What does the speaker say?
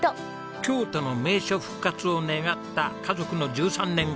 京都の名所復活を願った家族の１３年後。